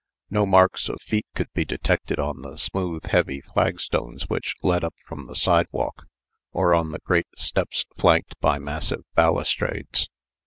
No marks of feet could be detected on the smooth, heavy flagstones which led up from the sidewalk, or on the great steps flanked by massive balustrades.